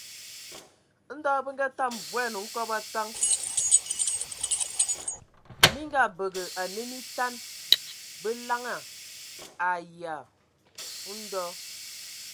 Nao be ngatam voan hkobo a taŋ. minkabǝga ane mitan, be laŋan ayǝa. Edɔ.